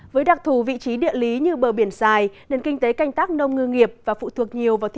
với đặc thù vị trí địa lý như bờ biển dài nền kinh tế canh tác nông ngư nghiệp và phụ thuộc nhiều vào